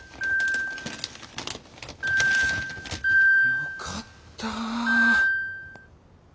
よかった。